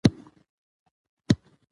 افغانستان کې نفت د خلکو د خوښې وړ ځای دی.